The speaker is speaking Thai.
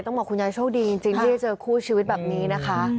บอกคุณยายโชคดีจริงที่ได้เจอคู่ชีวิตแบบนี้นะคะ